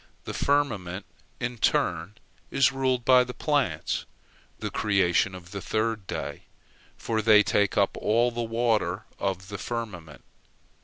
The firmament, in turn, is ruled by the plants, the creation of the third day, for they take up all the water of the firmament.